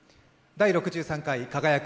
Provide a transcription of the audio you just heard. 「第６３回輝く！